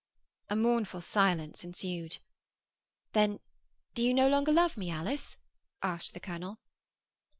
A mournful silence ensued. 'Then do you no longer love me, Alice?' asked the colonel.